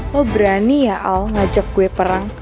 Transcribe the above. lo berani ya al ngajak gue